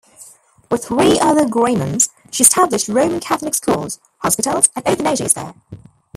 With three other Grey Nuns, she established Roman Catholic schools, hospitals and orphanages there.